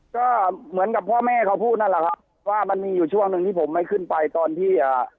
ก็เหมือนกับพ่อแม่เขาพูดนั่นแหละครับว่ามันมีอยู่ช่วงหนึ่งที่ผมไม่ขึ้นไปตอนที่อ่า